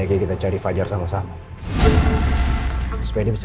yang penting sekarang masalahnya semua sudah penuh